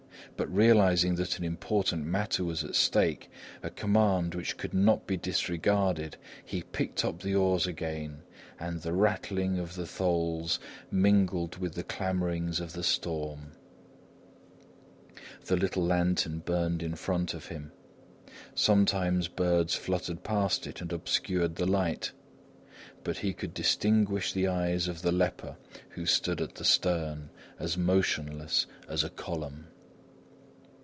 But realising that an important matter was at stake, a command which could not be disregarded, he picked up the oars again; and the rattling of the tholes mingled with the clamourings of the storm. The little lantern burned in front of him. Sometimes birds fluttered past it and obscured the light. But he could distinguish the eyes of the leper who stood at the stern, as motionless as a column.